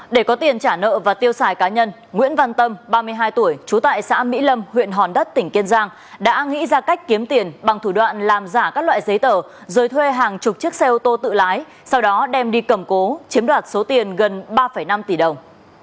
để có tiền trả nợ và tiêu xài cá nhân nguyễn văn tâm ba mươi hai tuổi trú tại xã mỹ lâm huyện hòn đất tỉnh kiên giang đã nghĩ ra cách kiếm tiền bằng thủ đoạn làm giả các loại giấy tờ rồi thuê hàng chục chiếc xe ô tô tự lái sau đó đem đi cầm cố chiếm đoạt số tiền gần ba năm tỷ đồng